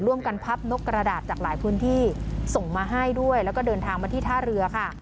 พับนกกระดาษจากหลายพื้นที่ส่งมาให้ด้วยแล้วก็เดินทางมาที่ท่าเรือค่ะ